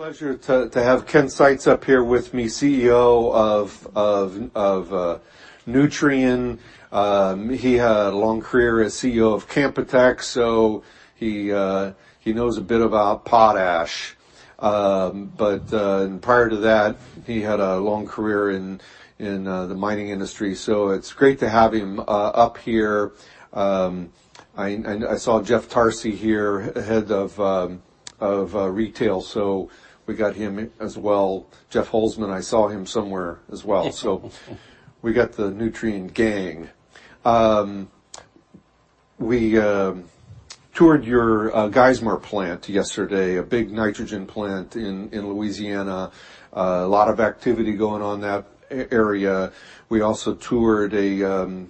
Pleasure to have Ken Seitz up here with me, CEO of Nutrien. He had a long career as CEO of Canpotex, so he knows a bit about potash. Prior to that, he had a long career in the mining industry. It's great to have him up here. I saw Jeff Tarsi here, head of retail, so we got him as well. Jeff Holzman, I saw him somewhere as well. We got the Nutrien gang. We toured your Geismar plant yesterday, a big nitrogen plant in Louisiana. A lot of activity going on that area. We also toured a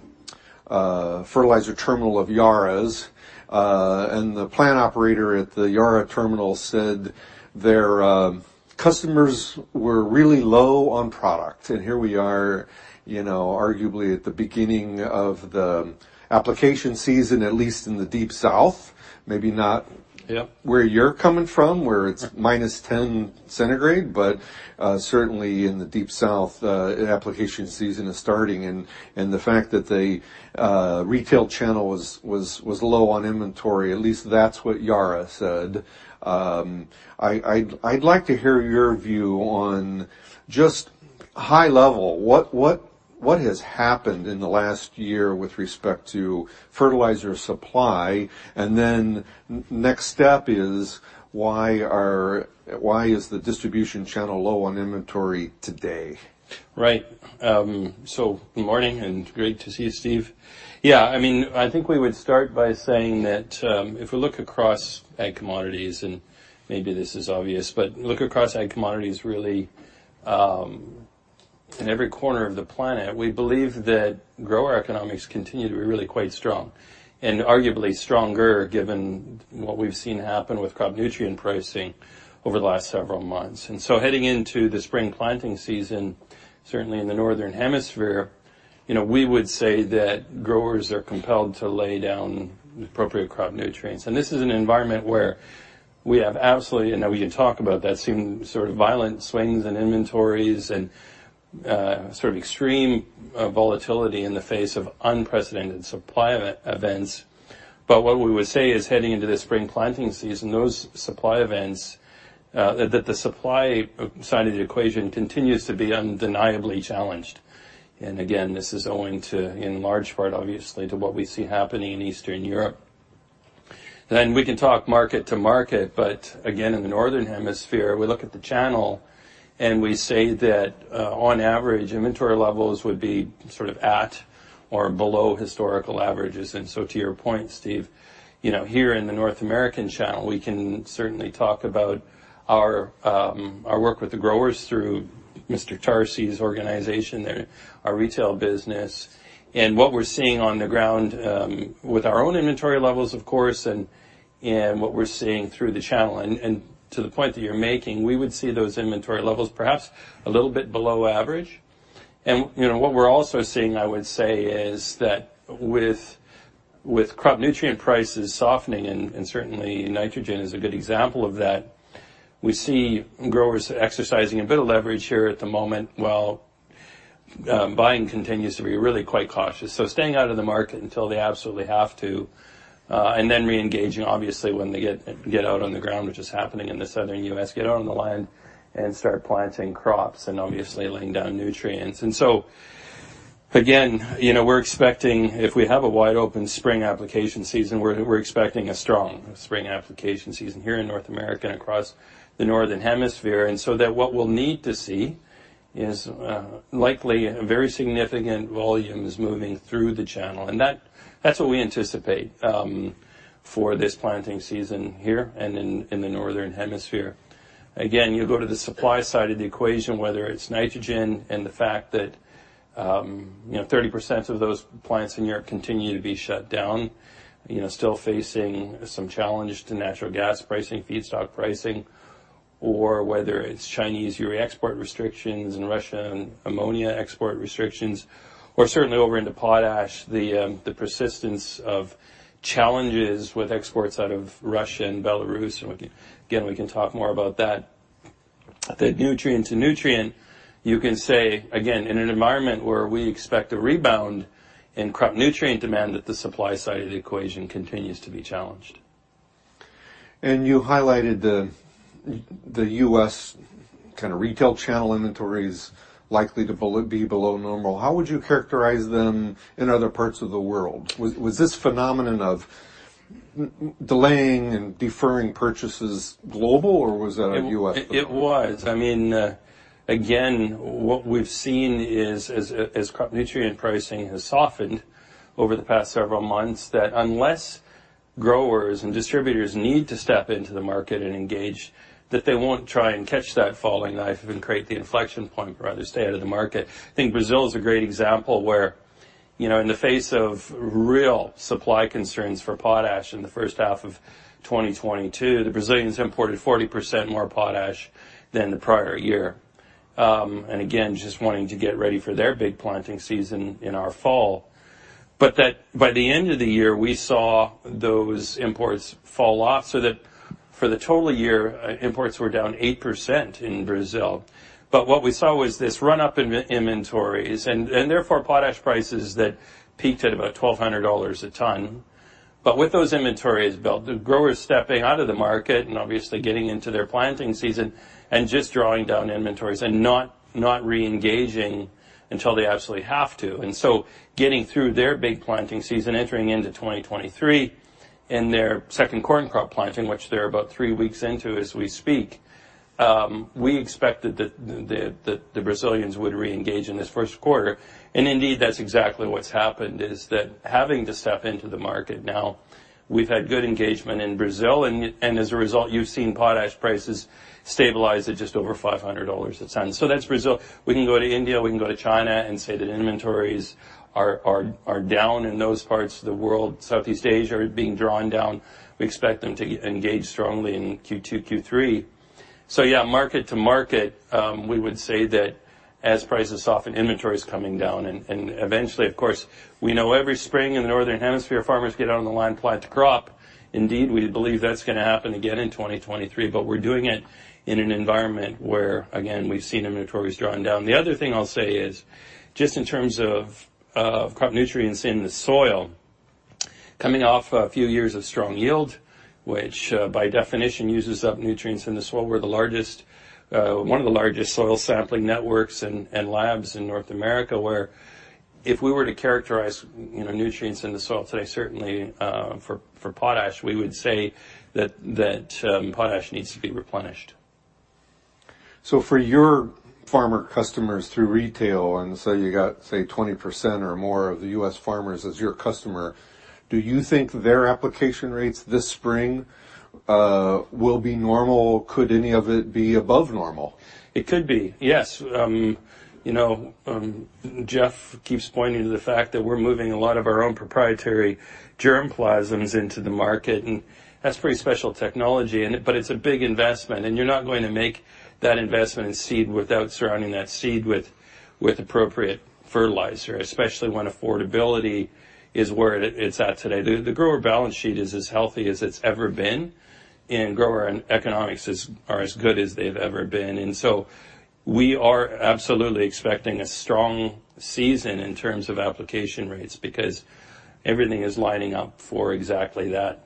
fertilizer terminal of Yara's, and the plant operator at the Yara terminal said their customers were really low on product. Here we are, you know, arguably at the beginning of the application season, at least in the Deep South. Yep. -where you're coming from, where it's -10 centigrade. Certainly in the Deep South, application season is starting, and the fact that the retail channel was low on inventory, at least that's what Yara said. I'd like to hear your view on just high level, what has happened in the last year with respect to fertilizer supply? Then next step is why is the distribution channel low on inventory today? Right. Good morning, great to see you, Steve. I mean, I think we would start by saying that if we look across ag commodities, maybe this is obvious, look across ag commodities really, in every corner of the planet, we believe that grower economics continue to be really quite strong and arguably stronger given what we've seen happen with crop nutrient pricing over the last several months. Heading into the spring planting season, certainly in the Northern Hemisphere, you know, we would say that growers are compelled to lay down the appropriate crop nutrients. This is an environment where we have absolutely, and we can talk about that, seen sort of violent swings in inventories and sort of extreme volatility in the face of unprecedented supply events. What we would say is heading into the spring planting season, those supply events, that the supply side of the equation continues to be undeniably challenged. Again, this is owing to in large part, obviously, to what we see happening in Eastern Europe. We can talk market to market, but again, in the Northern Hemisphere, we look at the channel and we say that, on average, inventory levels would be sort of at or below historical averages. To your point, Steve, you know, here in the North American channel, we can certainly talk about our work with the growers through Mr. Tarsi's organization there, our retail business, and what we're seeing on the ground, with our own inventory levels, of course, and what we're seeing through the channel. to the point that you're making, we would see those inventory levels perhaps a little bit below average. you know, what we're also seeing, I would say, is that with crop nutrient prices softening, and certainly nitrogen is a good example of that, we see growers exercising a bit of leverage here at the moment, while buying continues to be really quite cautious. staying out of the market until they absolutely have to, and then re-engaging, obviously, when they get out on the ground, which is happening in the Southern U.S., get out on the land and start planting crops and obviously laying down nutrients. again, you know, we're expecting if we have a wide open spring application season, we're expecting a strong spring application season here in North America and across the Northern Hemisphere. What we'll need to see is likely very significant volumes moving through the channel. That's what we anticipate for this planting season here and in the Northern Hemisphere. Again, you go to the supply side of the equation, whether it's nitrogen and the fact that, you know, 30% of those plants in Europe continue to be shut down, you know, still facing some challenge to natural gas pricing, feedstock pricing, or whether it's Chinese urea export restrictions and Russian ammonia export restrictions, or certainly over into potash, the persistence of challenges with exports out of Russia and Belarus. Again, we can talk more about that. Nutrien, you can say again, in an environment where we expect a rebound in crop nutrient demand, that the supply side of the equation continues to be challenged. You highlighted the U.S. kind of retail channel inventories likely to be below normal. How would you characterize them in other parts of the world? Was this phenomenon of delaying and deferring purchases global or was that a U.S. phenomenon? It was. I mean, again, what we've seen is as crop nutrient pricing has softened over the past several months, that unless growers and distributors need to step into the market and engage, that they won't try and catch that falling knife and create the inflection point, rather stay out of the market. I think Brazil is a great example where, you know, in the face of real supply concerns for potash in the first half of 2022, the Brazilians imported 40% more potash than the prior year. Again, just wanting to get ready for their big planting season in our fall. That by the end of the year, we saw those imports fall off, so that for the total year, imports were down 8% in Brazil. What we saw was this run-up in the inventories and therefore, potash prices that peaked at about $1,200 a ton. With those inventories built, the growers stepping out of the market and obviously getting into their planting season and just drawing down inventories and not re-engaging until they absolutely have to. Getting through their big planting season, entering into 2023 in their second corn crop planting, which they're about three weeks into as we speak, we expected that the Brazilians would reengage in this first quarter. Indeed, that's exactly what's happened, is that having to step into the market now, we've had good engagement in Brazil, and as a result, you've seen potash prices stabilize at just over $500 a ton. That's Brazil. We can go to India, we can go to China and say that inventories are down in those parts of the world. Southeast Asia are being drawn down. We expect them to engage strongly in Q2, Q3. Yeah, market to market, we would say that as prices soften, inventory is coming down. Eventually, of course, we know every spring in the northern hemisphere, farmers get out on the line, plant the crop. Indeed, we believe that's gonna happen again in 2023, we're doing it in an environment where, again, we've seen inventories drawn down. The other thing I'll say is, just in terms of crop nutrients in the soil, coming off a few years of strong yield, which by definition uses up nutrients in the soil. We're one of the largest soil sampling networks and labs in North America, where if we were to characterize, you know, nutrients in the soil today, certainly, for potash, we would say that potash needs to be replenished. For your farmer customers through retail, and so you got, say, 20% or more of the U.S. farmers as your customer, do you think their application rates this spring will be normal? Could any of it be above normal? It could be. Yes. you know, Jeff keeps pointing to the fact that we're moving a lot of our own proprietary germplasms into the market, and that's pretty special technology. But it's a big investment, and you're not going to make that investment in seed without surrounding that seed with appropriate fertilizer, especially when affordability is where it's at today. The grower balance sheet is as healthy as it's ever been, and grower and economics are as good as they've ever been. We are absolutely expecting a strong season in terms of application rates because everything is lining up for exactly that.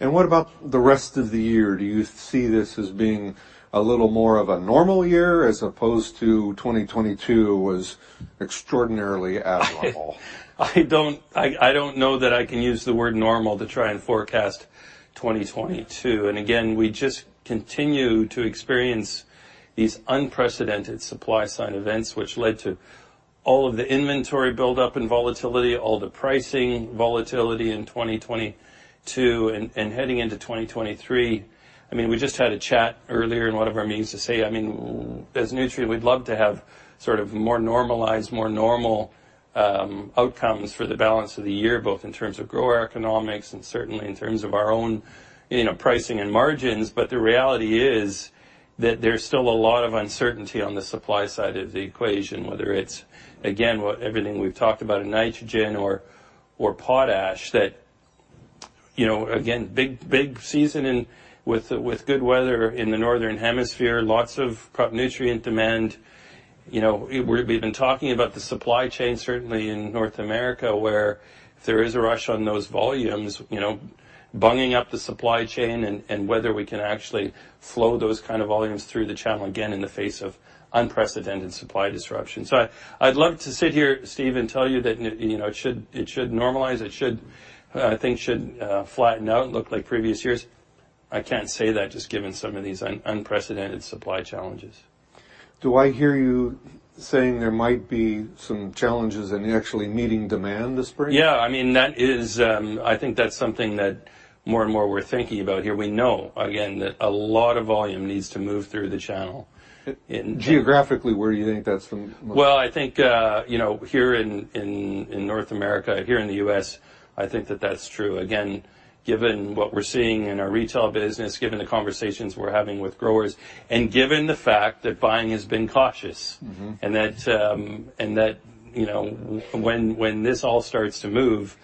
What about the rest of the year? Do you see this as being a little more of a normal year as opposed to 2022 was extraordinarily abnormal? I don't know that I can use the word normal to try and forecast 2022. Again, we just continue to experience these unprecedented supply side events, which led to all of the inventory buildup and volatility, all the pricing volatility in 2022. Heading into 2023, I mean, we just had a chat earlier in one of our meetings to say, I mean, as Nutrien, we'd love to have sort of more normalized, more normal outcomes for the balance of the year, both in terms of grower economics and certainly in terms of our own, you know, pricing and margins. The reality is that there's still a lot of uncertainty on the supply side of the equation, whether it's, again, what everything we've talked about in nitrogen or potash, that, you know, again, big season and with good weather in the northern hemisphere, lots of crop nutrient demand. You know, we've been talking about the supply chain, certainly in North America, where if there is a rush on those volumes, you know, bunging up the supply chain and whether we can actually flow those kind of volumes through the channel again in the face of unprecedented supply disruptions. I'd love to sit here, Steve, and tell you that you know, it should normalize, it should, I think should flatten out and look like previous years. I can't say that just given some of these unprecedented supply challenges. Do I hear you saying there might be some challenges in actually meeting demand this spring? Yeah. I mean, that is, I think that's something that more and more we're thinking about here. We know, again, that a lot of volume needs to move through the channel. Geographically, where do you think that's the most-? Well, I think, you know, here in North America, here in the U.S., I think that's true. Again, given what we're seeing in our retail business, given the conversations we're having with growers, given the fact that buying has been cautious. Mm-hmm... and that, you know, when this all starts to move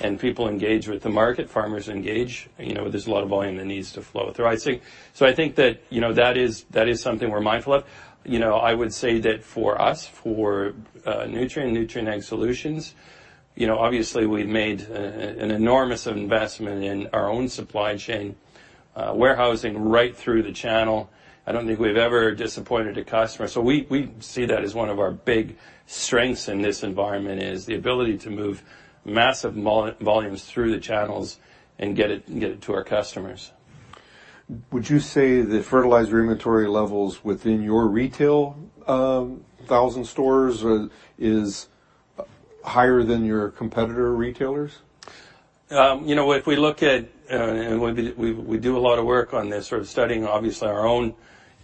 and people engage with the market, farmers engage, you know, there's a lot of volume that needs to flow through. I think that, you know, that is something we're mindful of. You know, I would say that for us, for Nutrien and Nutrien Ag Solutions, you know, obviously we've made an enormous investment in our own supply chain, warehousing right through the channel. I don't think we've ever disappointed a customer. We see that as one of our big strengths in this environment, is the ability to move massive volumes through the channels and get it to our customers. Would you say the fertilizer inventory levels within your retail, 1,000 stores, is higher than your competitor retailers? You know, if we look at, and we do a lot of work on this, sort of studying obviously our own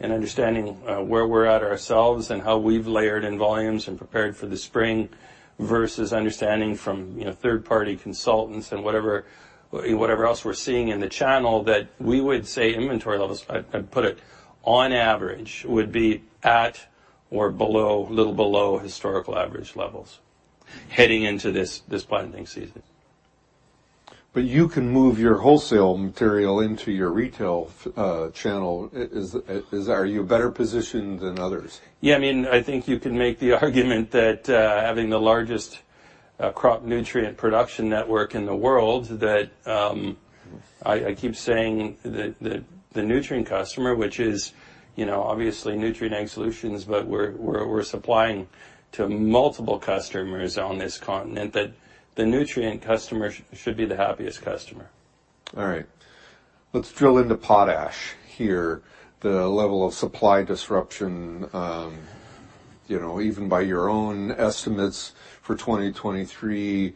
and understanding where we're at ourselves and how we've layered in volumes and prepared for the spring versus understanding from, you know, third-party consultants and whatever else we're seeing in the channel, that we would say inventory levels, I'd put it on average, would be at or below, little below historical average levels heading into this planting season. You can move your wholesale material into your retail channel. Are you better positioned than others? Yeah. I mean, I think you can make the argument that, having the largest crop nutrient production network in the world, that, I keep saying the Nutrien customer, which is, you know, obviously Nutrien Ag Solutions. We're supplying to multiple customers on this continent that the Nutrien customer should be the happiest customer. All right. Let's drill into potash here, the level of supply disruption, you know, even by your own estimates for 2023,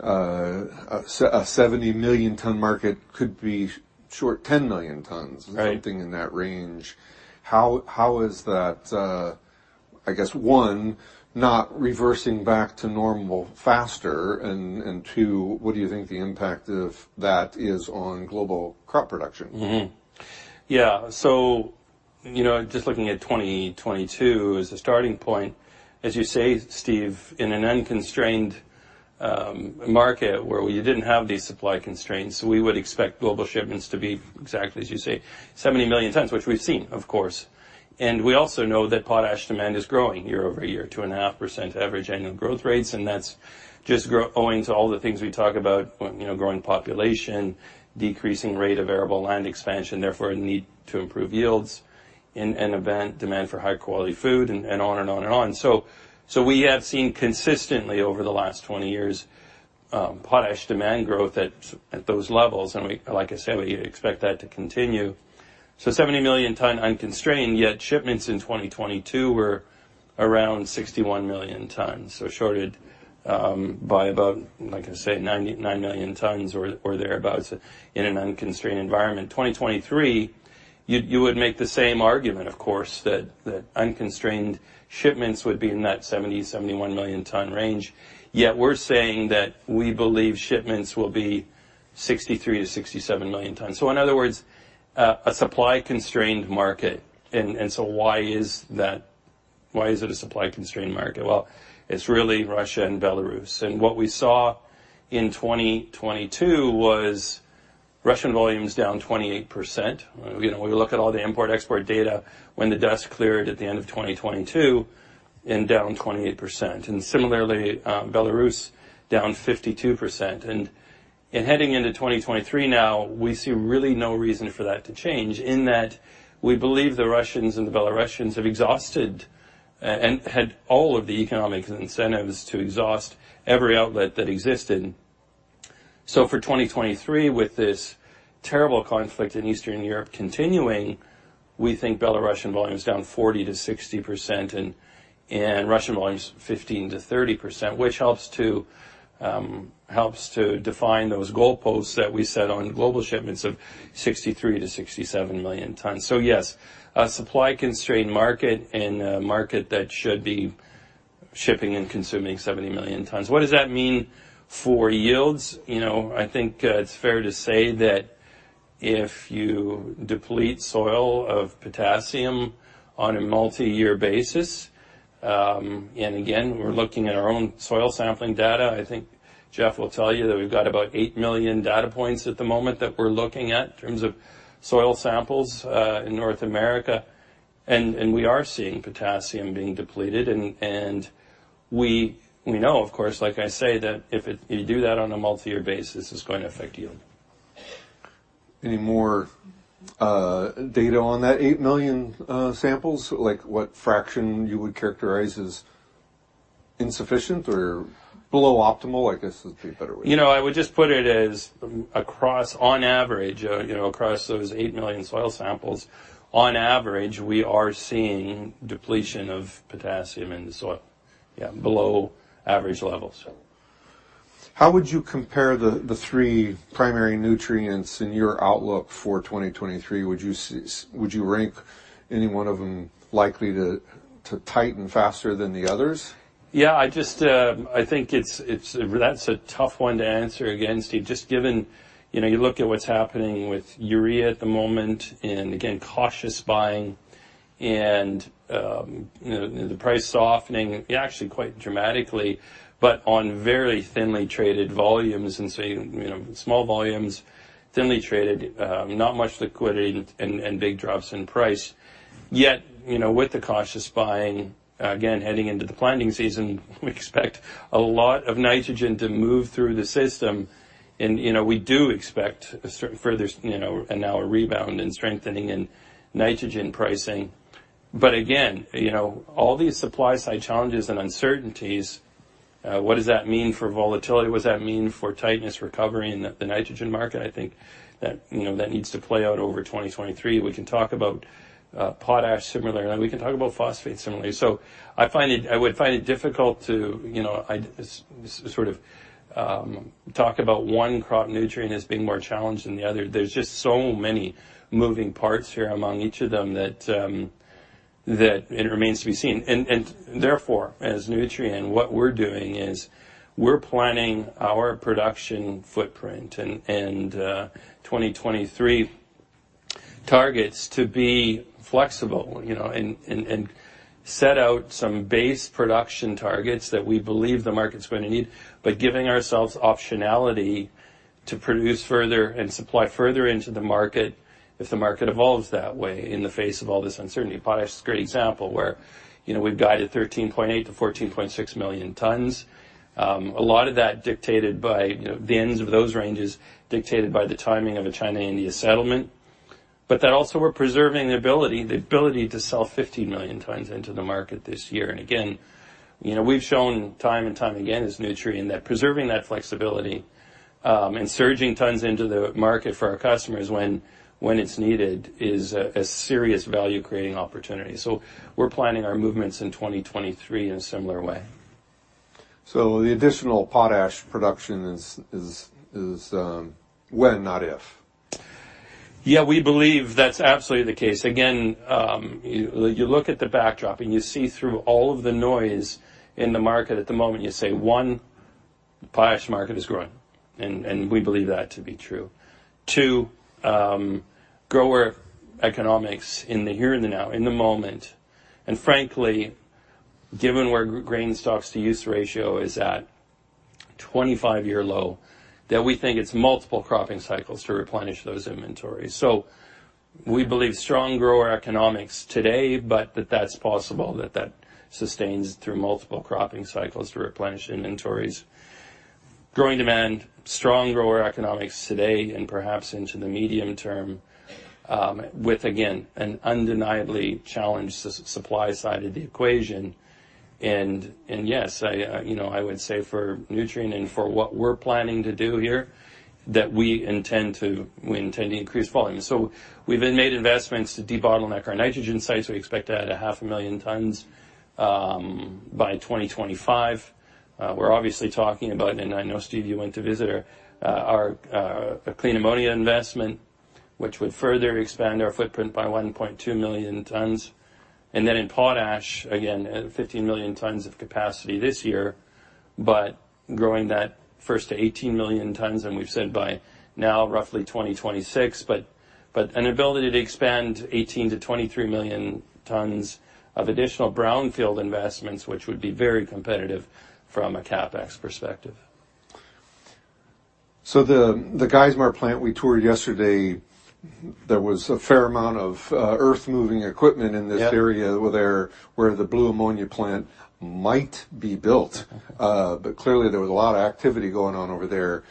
a 70-million-ton market could be short 10 million tons. Right. Something in that range. How is that, I guess, one, not reversing back to normal faster, and two, what do you think the impact of that is on global crop production? Mm-hmm. Yeah. You know, just looking at 2022 as a starting point, as you say, Steve, in an unconstrained market where you didn't have these supply constraints, we would expect global shipments to be, exactly as you say, 70 million tons, which we've seen, of course. We also know that potash demand is growing year over year, 2.5% average annual growth rates, and that's just owing to all the things we talk about, you know, growing population, decreasing rate of arable land expansion, therefore a need to improve yields and event demand for high quality food, and on and on and on. We have seen consistently over the last 20 years, potash demand growth at those levels. Like I say, we expect that to continue. 70 million ton unconstrained, yet shipments in 2022 were around 61 million tons, shorted by about, like I say, 9 million tons or thereabouts in an unconstrained environment. 2023 you would make the same argument, of course, that unconstrained shipments would be in that 70 million-71 million ton range. Yet we're saying that we believe shipments will be 63 million -67 million tons. In other words, a supply constrained market. Why is that? Why is it a supply constrained market? Well, it's really Russia and Belarus. What we saw in 2022 was Russian volumes down 28%. You know, when we look at all the import-export data, when the dust cleared at the end of 2022, in down 28%. Similarly, Belarus down 52%. Heading into 2023 now, we see really no reason for that to change, in that we believe the Russians and the Belarusians have exhausted and had all of the economic incentives to exhaust every outlet that existed. For 2023, with this terrible conflict in Eastern Europe continuing, we think Belarusian volume is down 40%-60% and Russian volumes 15%-30%, which helps to define those goalposts that we set on global shipments of 63 million-67 million tons. Yes, a supply constrained market and a market that should be shipping and consuming 70 million tons. What does that mean for yields? You know, I think it's fair to say that if you deplete soil of potassium on a multi-year basis, and again, we're looking at our own soil sampling data. I think Jeff will tell you that we've got about 8 million data points at the moment that we're looking at in terms of soil samples in North America. We are seeing potassium being depleted. We know, of course, like I say, that if you do that on a multi-year basis, it's going to affect yield. Any more data on that 8 million samples? Like, what fraction you would characterize as insufficient or below optimal, I guess would be a better way. You know, I would just put it as across on average, you know, across those 8 million soil samples, on average, we are seeing depletion of potassium in the soil. Yeah, below average levels, so. How would you compare the three primary nutrients in your outlook for 2023? Would you rank any one of them likely to tighten faster than the others? Yeah. I just, I think it's that's a tough one to answer again, Steve. Just given, you know, you look at what's happening with urea at the moment, and again, cautious buying and, you know, the price softening actually quite dramatically, but on very thinly traded volumes. You, you know, small volumes, thinly traded, not much liquidity and big drops in price. You know, with the cautious buying, again, heading into the planting season, we expect a lot of nitrogen to move through the system. You know, we do expect a certain further, you know, and now a rebound and strengthening in nitrogen pricing. You know, all these supply side challenges and uncertainties, what does that mean for volatility? What does that mean for tightness recovery in the nitrogen market? I think that, you know, that needs to play out over 2023. We can talk about potash similarly. We can talk about phosphate similarly. I would find it difficult to, you know, sort of talk about one crop nutrient as being more challenged than the other. There's just so many moving parts here among each of them that it remains to be seen. Therefore, as Nutrien, what we're doing is we're planning our production footprint and 2023 targets to be flexible, you know, and set out some base production targets that we believe the market's gonna need, but giving ourselves optionality to produce further and supply further into the market if the market evolves that way in the face of all this uncertainty. Potash is a great example where, you know, we've guided 13.8 million-14.6 million tons. A lot of that dictated by, you know, the ends of those ranges dictated by the timing of a China-India settlement. That also we're preserving the ability to sell 50 million tons into the market this year. Again, you know, we've shown time and time again as Nutrien that preserving that flexibility, and surging tons into the market for our customers when it's needed is a serious value-creating opportunity. We're planning our movements in 2023 in a similar way. The additional potash production is when, not if. Yeah, we believe that's absolutely the case. Again, you look at the backdrop, and you see through all of the noise in the market at the moment, you say, one, the potash market is growing, and we believe that to be true. Two, grower economics in the here and the now, in the moment, and frankly, given where grain stocks-to-use ratio is at 25 year low, that we think it's multiple cropping cycles to replenish those inventories. We believe strong grower economics today, but that that's possible that that sustains through multiple cropping cycles to replenish inventories. Growing demand, strong grower economics today and perhaps into the medium term, with, again, an undeniably challenged supply side of the equation. Yes, I would say for Nutrien and for what we're planning to do here, that we intend to increase volume. We've then made investments to debottleneck our nitrogen sites. We expect to add a half a million tons by 2025. We're obviously talking about, and I know, Steve, you went to visit our clean ammonia investment, which would further expand our footprint by 1.2 million tons. In potash, again, at 15 million tons of capacity this year, but growing that first to 18 million tons, and we've said by now roughly 2026. An ability to expand 18 million-23 million tons of additional brownfield investments, which would be very competitive from a CapEx perspective. The Geismar plant we toured yesterday, there was a fair amount of earth-moving equipment in this- Yep. -area there where the blue ammonia plant might be built. Clearly there was a lot of activity going on over there.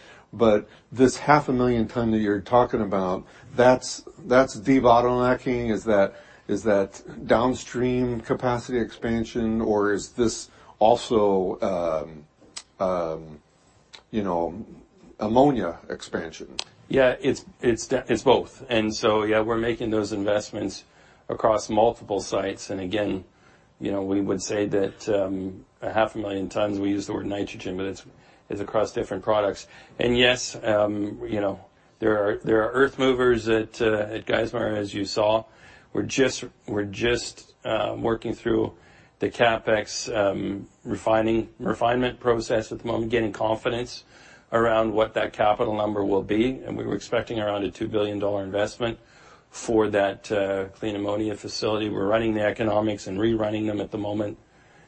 This half a million ton that you're talking about, that's debottlenecking? Is that downstream capacity expansion, or is this also, you know, ammonia expansion? Yeah, it's both. Yeah, we're making those investments across multiple sites. Again, you know, we would say that 500,000 tons, we use the word nitrogen, but it's across different products. Yes, you know, there are earth movers at Geismar, as you saw. We're just working through the CapEx refinement process at the moment, getting confidence around what that capital number will be. We were expecting around a $2 billion investment for that clean ammonia facility. We're running the economics and rerunning them at the moment.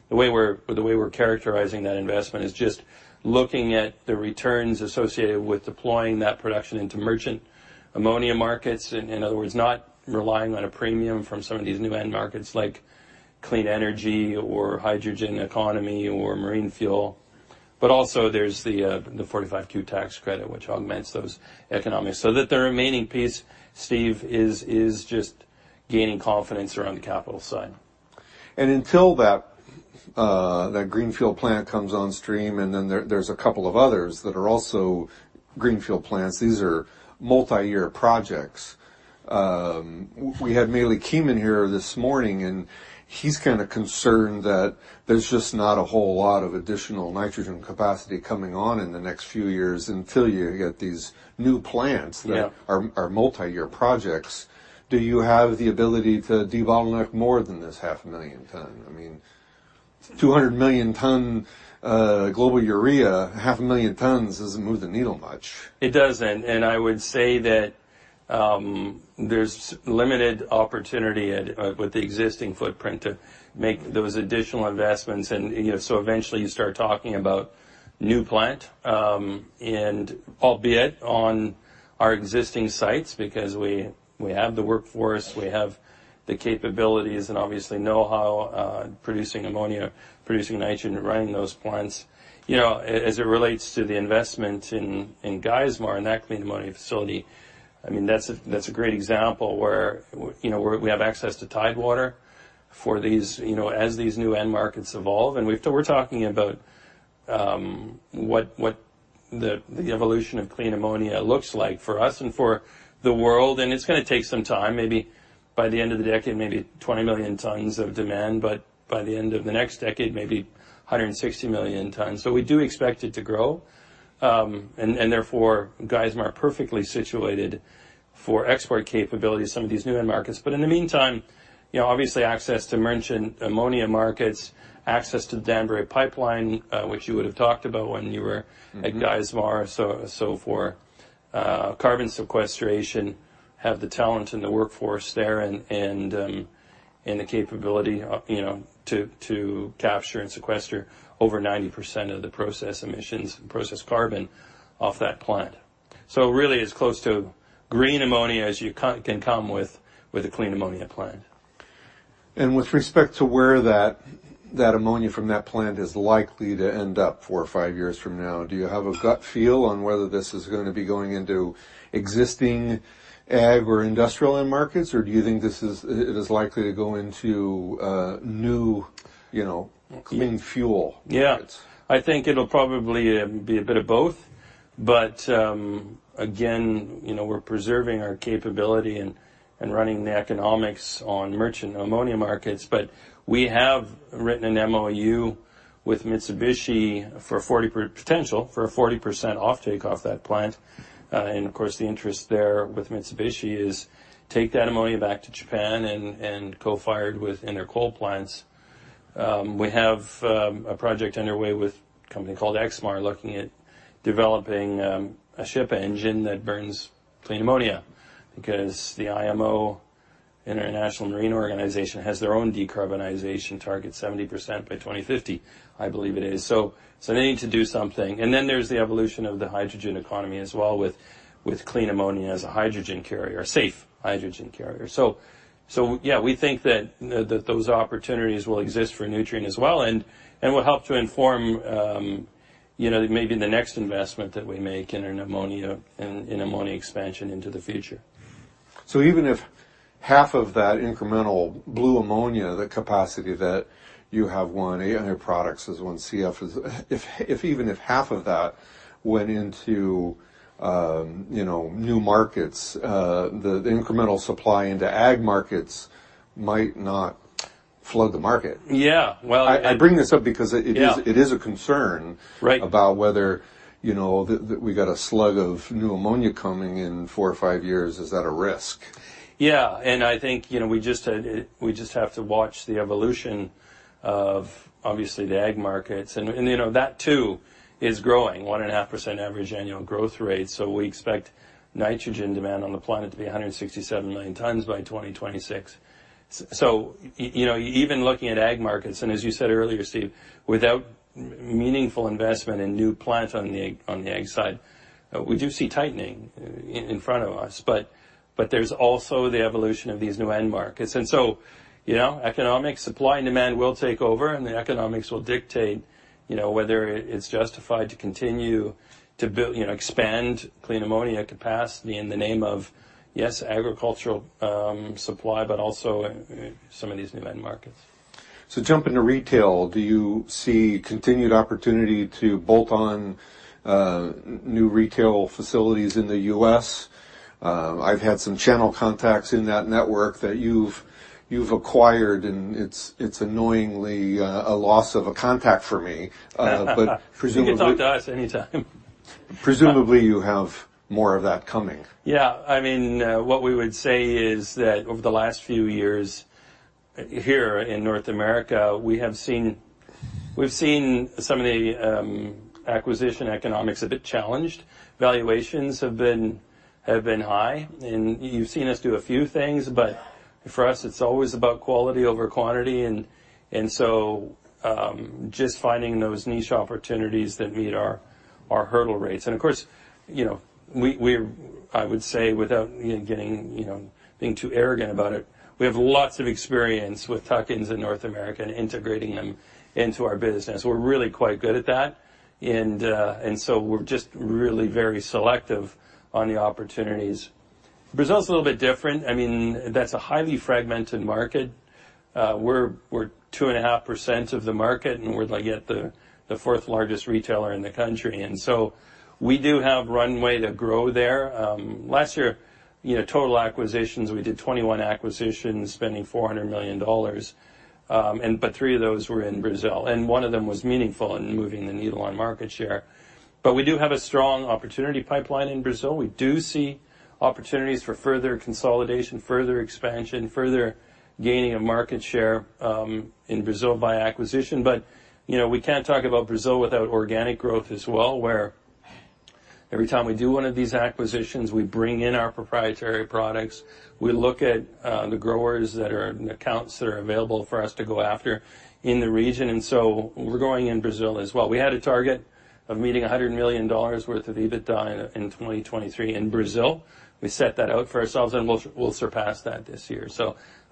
The way we're characterizing that investment is just looking at the returns associated with deploying that production into merchant ammonia markets. In other words, not relying on a premium from some of these new end markets like clean energy or hydrogen economy or marine fuel, but also there's the 45Q tax credit which augments those economics. That the remaining piece, Steve, is just gaining confidence around the capital side. Until that greenfield plant comes on stream, there's a couple of others that are also greenfield plants, these are multi-year projects. We had Meili Kim in here this morning, he's kinda concerned that there's just not a whole lot of additional nitrogen capacity coming on in the next few years. Until you get these new plants. Yeah. that are multi-year projects, do you have the ability to debottleneck more than this 500,000 ton? I mean, 200 million ton global urea, 500,000 tons doesn't move the needle much. It doesn't, and I would say that, there's limited opportunity at with the existing footprint to make those additional investments and, you know, so eventually you start talking about new plant, and albeit on our existing sites because we have the workforce, we have the capabilities and obviously know-how, producing ammonia, producing nitrogen, and running those plants. You know, as it relates to the investment in Geismar and that clean ammonia facility, I mean, that's a, that's a great example where, you know, we have access to tidewater for these, you know, as these new end markets evolve. We're talking about, what the evolution of clean ammonia looks like for us and for the world, and it's gonna take some time. Maybe by the end of the decade, maybe 20 million tons of demand, but by the end of the next decade, maybe 160 million tons. We do expect it to grow. And therefore, Geismar perfectly situated for export capability to some of these new end markets. In the meantime, you know, obviously access to merchant ammonia markets, access to the Denbury pipeline, which you would've talked about when you were. Mm-hmm. at Geismar. For carbon sequestration, have the talent and the workforce there and the capability, you know, to capture and sequester over 90% of the process emissions, process carbon off that plant. Really as close to green ammonia as you can come with a clean ammonia plant. With respect to where that ammonia from that plant is likely to end up four or five years from now, do you have a gut feel on whether this is gonna be going into existing ag or industrial end markets, or do you think this is likely to go into new, you know, clean fuel markets? Yeah. I think it'll probably be a bit of both. Again, you know, we're preserving our capability and running the economics on merchant ammonia markets. We have written an MOU with Mitsubishi for potential for a 40% offtake off that plant. Of course, the interest there with Mitsubishi is take that ammonia back to Japan and co-fire it with in their coal plants. We have a project underway with a company called EXMAR looking at developing a ship engine that burns clean ammonia because the IMO, International Maritime Organization, has their own decarbonization target, 70% by 2050, I believe it is. They need to do something. Then there's the evolution of the hydrogen economy as well with clean ammonia as a hydrogen carrier, a safe hydrogen carrier. Yeah, we think that those opportunities will exist for Nutrien as well and will help to inform, you know, maybe the next investment that we make in an ammonia expansion into the future. Even if half of that incremental blue ammonia, If even if half of that went into, you know, new markets, the incremental supply into ag markets might not flood the market. Yeah. I bring this up because it. Yeah. It is a concern. Right... about whether, you know, we got a slug of new ammonia coming in four or five years, is that a risk? I think, you know, we just have to watch the evolution of obviously the ag markets. You know, that too is growing, 1.5% average annual growth rate. We expect nitrogen demand on the planet to be 167 million tons by 2026. You know, even looking at ag markets, and as you said earlier, Steve, without meaningful investment in new plant on the ag side, we do see tightening in front of us. There's also the evolution of these new end markets. You know, economics, supply and demand will take over, and the economics will dictate, you know, whether it's justified to continue to build, you know, expand clean ammonia capacity in the name of, yes, agricultural supply, but also some of these new end markets. Jumping to retail, do you see continued opportunity to bolt on new retail facilities in the U.S.? I've had some channel contacts in that network that you've acquired, and it's annoyingly a loss of a contact for me. presumably. You can talk to us anytime. Presumably you have more of that coming. Yeah. I mean, what we would say is that over the last few years here in North America, we've seen some of the acquisition economics a bit challenged. Valuations have been high. You've seen us do a few things, but for us, it's always about quality over quantity. Just finding those niche opportunities that meet our hurdle rates. Of course, you know, I would say without, you know, getting, you know, being too arrogant about it, we have lots of experience with tuck-ins in North America and integrating them into our business. We're really quite good at that. So we're just really very selective on the opportunities. Brazil's a little bit different. I mean, that's a highly fragmented market. We're 2.5% of the market, yet the fourth largest retailer in the country. We do have runway to grow there. Last year, you know, total acquisitions, we did 21 acquisitions, spending $400 million. Three of those were in Brazil, one of them was meaningful in moving the needle on market share. We do have a strong opportunity pipeline in Brazil. We do see opportunities for further consolidation, further expansion, further gaining of market share in Brazil by acquisition. You know, we can't talk about Brazil without organic growth as well, where every time we do one of these acquisitions, we bring in our proprietary products. We look at the growers and accounts that are available for us to go after in the region. We're growing in Brazil as well. We had a target of meeting $100 million worth of EBITDA in 2023 in Brazil. We set that out for ourselves, we'll surpass that this year.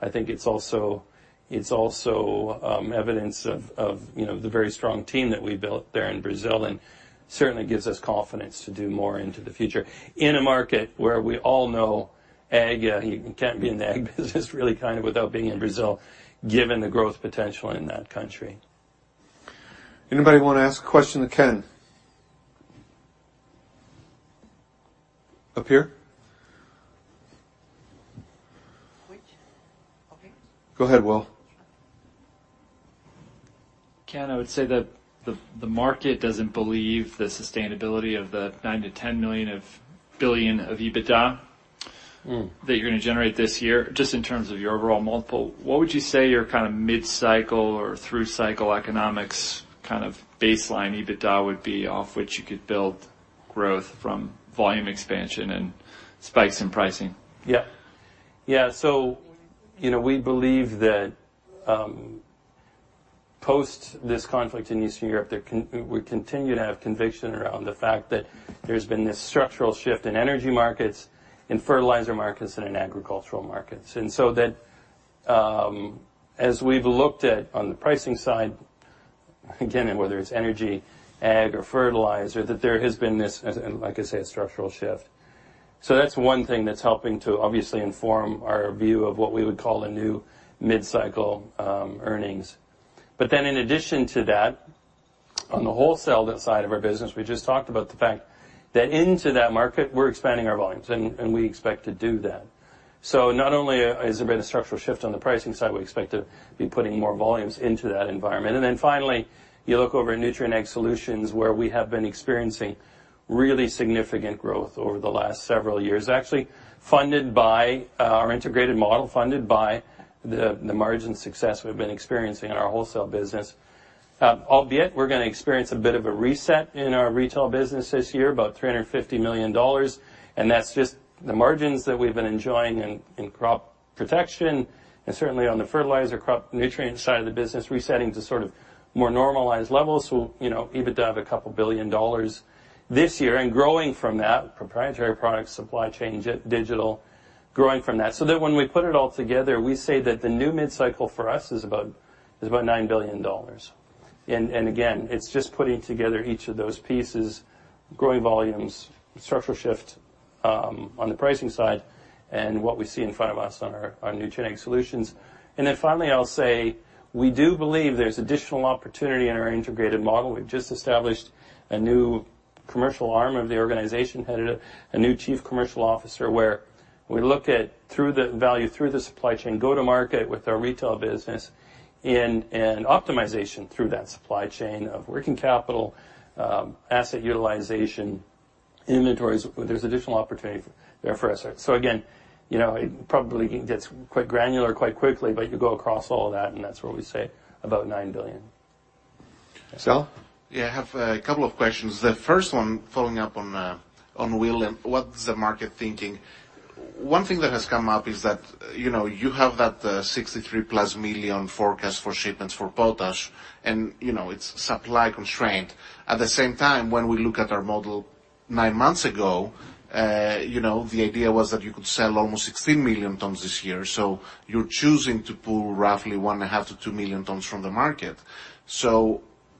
I think it's also evidence of, you know, the very strong team that we built there in Brazil, and certainly gives us confidence to do more into the future in a market where we all know ag, you can't be in the ag business really kind of without being in Brazil, given the growth potential in that country. Anybody wanna ask a question to Ken? Up here. Which? Okay. Go ahead, Will. Ken, I would say that the market doesn't believe the sustainability of the $9 billion-$10 billion of EBITDA- Mm... that you're gonna generate this year, just in terms of your overall multiple. What would you say your kind of mid-cycle or through cycle economics kind of baseline EBITDA would be off which you could build growth from volume expansion and spikes in pricing? Yeah. You know, we believe that, post this conflict in Eastern Europe, we continue to have conviction around the fact that there's been this structural shift in energy markets, in fertilizer markets, and in agricultural markets. As we've looked at on the pricing side, again, whether it's energy, ag or fertilizer, that there has been this, as I say, a structural shift. That's one thing that's helping to obviously inform our view of what we would call a new mid-cycle earnings. In addition to that, on the wholesale side of our business, we just talked about the fact that into that market, we're expanding our volumes, and we expect to do that. Not only has there been a structural shift on the pricing side, we expect to be putting more volumes into that environment. Finally, you look over at Nutrien Ag Solutions, where we have been experiencing really significant growth over the last several years, actually funded by our integrated model, funded by the margin success we've been experiencing in our wholesale business. Albeit we're gonna experience a bit of a reset in our retail business this year, about $350 million, and that's just the margins that we've been enjoying in crop protection and certainly on the fertilizer crop nutrient side of the business, resetting to sort of more normalized levels. We'll, you know, EBITDA up $2 billion this year and growing from that, proprietary products, supply chain, digital, growing from that. When we put it all together, we say that the new mid-cycle for us is about $9 billion. Again, it's just putting together each of those pieces, growing volumes, structural shift, on the pricing side and what we see in front of us on our Nutrien Ag Solutions. Finally, I'll say, we do believe there's additional opportunity in our integrated model. We've just established a new commercial arm of the organization, headed up a new chief commercial officer, where we look at through the value, through the supply chain, go to market with our retail business and optimization through that supply chain of working capital, asset utilization, inventories. There's additional opportunity there for us. Again, you know, it probably gets quite granular quite quickly, but you go across all of that, and that's where we say about $9 billion. Sal? Yeah, I have a couple of questions. The first one following up on Will and what's the market thinking. One thing that has come up is that, you know, you have that 63+ million forecast for shipments for potash and, you know, it's supply constraint. At the same time, when we look at our model nine months ago, you know, the idea was that you could sell almost 16 million tons this year. You're choosing to pull roughly 1.5 million -2 million tons from the market.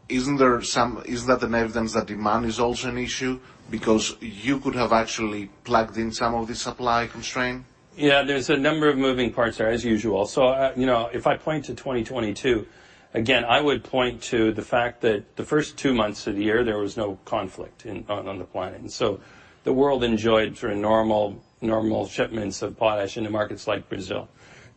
Isn't there is that an evidence that demand is also an issue? Because you could have actually plugged in some of the supply constraint. Yeah, there's a number of moving parts there, as usual. You know, if I point to 2022, again, I would point to the fact that the first two months of the year, there was no conflict on the planet. The world enjoyed sort of normal shipments of potash into markets like Brazil.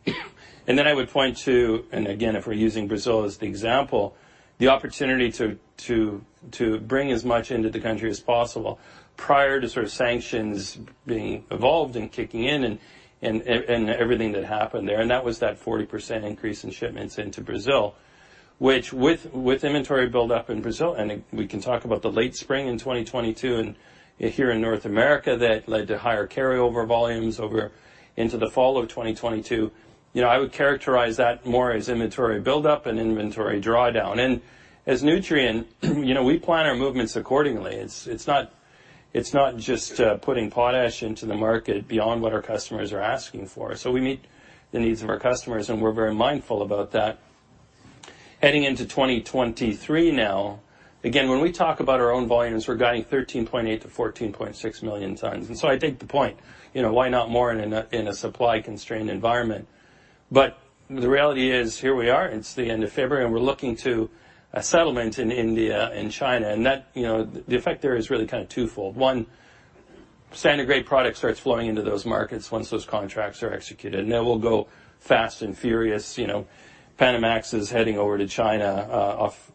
I would point to, and again, if we're using Brazil as the example, the opportunity to bring as much into the country as possible prior to sort of sanctions being evolved and kicking in and everything that happened there. That was that 40% increase in shipments into Brazil, which with inventory build-up in Brazil, and we can talk about the late spring in 2022 and here in North America that led to higher carryover volumes over into the fall of 2022. You know, I would characterize that more as inventory build-up and inventory drawdown. As Nutrien, you know, we plan our movements accordingly. It's not just putting potash into the market beyond what our customers are asking for. We meet the needs of our customers, and we're very mindful about that. Heading into 2023 now, again, when we talk about our own volumes, we're guiding 13.8 million-14.6 million tons. I take the point, you know, why not more in a supply-constrained environment? The reality is here we are, it's the end of February, and we're looking to a settlement in India and China. That, you know, the effect there is really kind of twofold. One, standard grade product starts flowing into those markets once those contracts are executed, and that will go fast and furious. You know, Panamax is heading over to China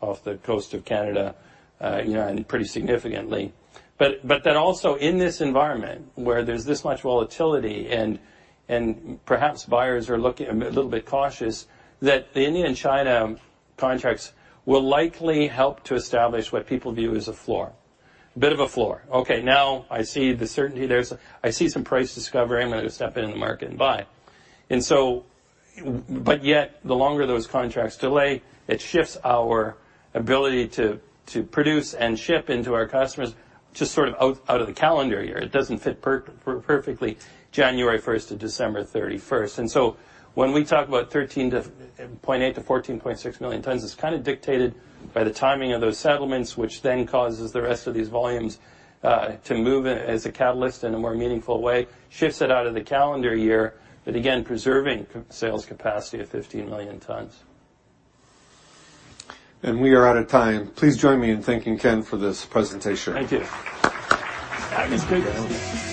off the coast of Canada, you know, and pretty significantly. Then also in this environment where there's this much volatility and perhaps buyers are looking a little bit cautious, that the India and China contracts will likely help to establish what people view as a floor. A bit of a floor. Okay, now I see the certainty I see some price discovery. I'm gonna step in the market and buy." The longer those contracts delay, it shifts our ability to produce and ship into our customers just sort of out of the calendar year. It doesn't fit perfectly January 1st to December 31st. When we talk about 13.8 million-14.6 million tons, it's kinda dictated by the timing of those settlements, which then causes the rest of these volumes to move as a catalyst in a more meaningful way, shifts it out of the calendar year, but again, preserving sales capacity of 15 million tons. We are out of time. Please join me in thanking Ken for this presentation. Thank you. That was good.